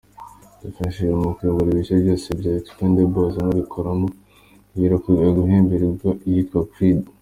Yafashije mu kuyobora ibice byose bya ‘Expendables’ anabikinamo, yaherukaga guhemberwa iyitwa ’Creed’.